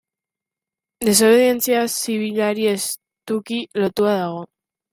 Desobedientzia zibilari estuki lotua dago.